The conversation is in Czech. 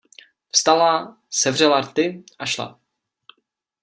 Vstala, sevřela rty a šla.